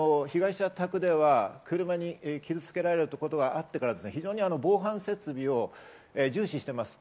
被害者宅では車に傷をつけられるところがあってから非常に防犯設備を重視していました。